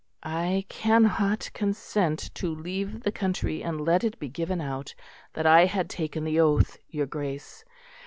"I cannot consent to leave the country and let it be given out that I had taken the oath, your Grace.